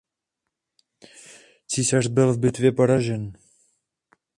Císař byl v bitvě poražen.